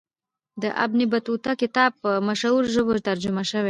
د ابن بطوطه کتاب په مشهورو ژبو ترجمه سوی.